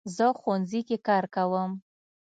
زه ښوونځي کې کار کوم